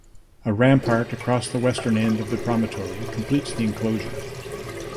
A rampart across the western end of the promontory completes the enclosure.